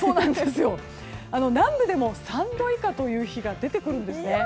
南部でも３度以下という日が出てくるんですね。